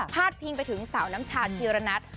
ดพิงไปถึงสาวน้ำชาชีระนัท